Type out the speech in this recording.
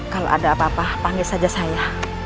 kalau ada apa apa panggil saja saya